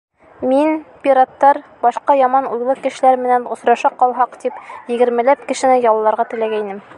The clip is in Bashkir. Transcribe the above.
Мин, пираттар, башҡа яман уйлы кешеләр менән осраша ҡалһаҡ тип, егермеләп кешене ялларға теләгәйнем.